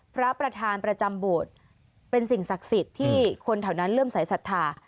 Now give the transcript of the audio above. พระประธานประจำโบสถ์เป็นสิ่งศักดิ์สิทธิ์ที่คนแถวนั้นเริ่มสายศรัทธา